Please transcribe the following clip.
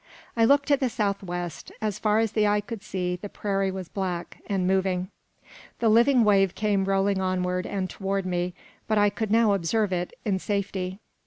I looked to the south west. As far as the eye could see, the prairie was black, and moving. The living wave came rolling onward and toward me; but I could now observe it in safety.